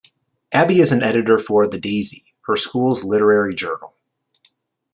Abby is an editor for "The Daisy", her school's literary journal.